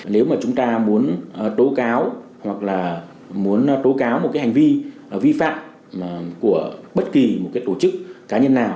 nếu mà chúng ta muốn tố cáo hoặc là muốn tố cáo một cái hành vi vi phạm của bất kỳ một cái tổ chức cá nhân nào